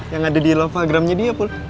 yang ada di lovagramnya dia pun